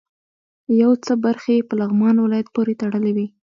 یو څه برخې یې په لغمان ولایت پورې تړلې وې.